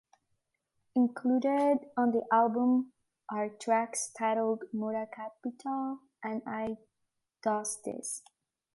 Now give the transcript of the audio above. Included on the album are tracks titled "Murda Kapital" and "I Does This".